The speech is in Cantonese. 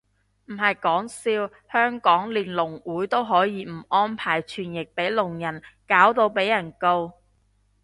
唔係講笑，香港連聾會都可以唔安排傳譯俾聾人，搞到被人告